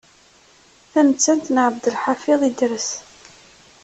Tamettant n Ɛebdelḥafiḍ Idres.